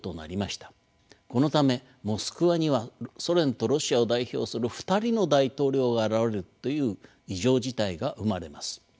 このためモスクワにはソ連とロシアを代表する２人の大統領が現れるという異常事態が生まれます。